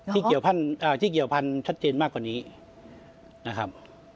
ที่เกี่ยวพันธ์ชัดเจนมากกว่านี้นะครับ